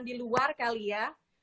di luar kali ya